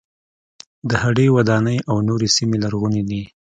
د هډې وداني او نورې سیمې لرغونې دي.